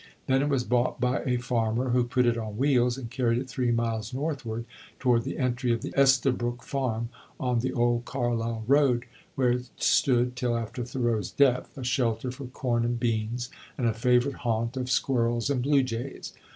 Then it was bought by a farmer, who put it on wheels and carried it three miles northward, toward the entry of the Estabrook Farm on the old Carlisle road, where it stood till after Thoreau's death, a shelter for corn and beans, and a favorite haunt of squirrels and blue jays.